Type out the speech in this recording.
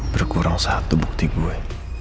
berkurang satu bukti gue